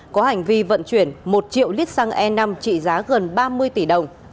có hành vi vận chuyển một triệu lít xăng e năm trị giá gần ba mươi tỷ đồng